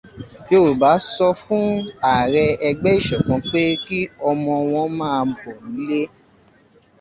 Yorùbá sọ fún ààrẹ ẹgbẹ́ ìṣọkan pé kí ọmọ wọn máa bọ̀ nílé